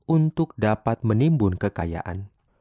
untuk dapat menimbun kekayaan